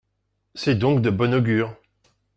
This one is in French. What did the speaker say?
C’est donc de bon augure.